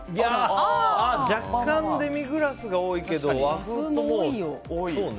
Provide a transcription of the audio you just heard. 若干、デミグラスが多いけど和風も多い。